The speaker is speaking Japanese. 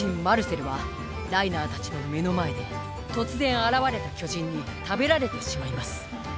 マルセルはライナーたちの目の前で突然現れた巨人に食べられてしまいます